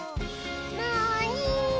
もういいよ。